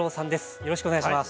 よろしくお願いします。